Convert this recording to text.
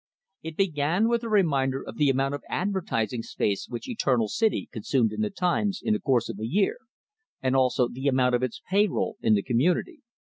It began with a reminder of the amount of advertising space which Eternal City consumed in the "Times" in the course of a year, and also the amount of its payroll in the community.